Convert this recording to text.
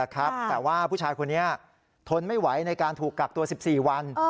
แต่ว่าผู้ชายคนนี้ทนไม่ไหวในการถูกกักตัว๑๔วัน